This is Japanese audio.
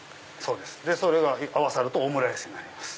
それが合わさるとオムライスになります。